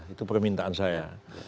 itu permintaan saya